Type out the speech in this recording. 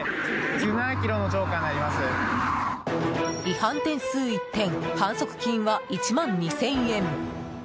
違反点数１点反則金は１万２０００円。